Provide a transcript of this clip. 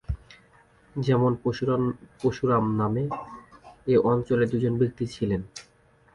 যেমন পরশুরাম নামে এ অঞ্চলে দুজন ব্যক্তি ছিলেন।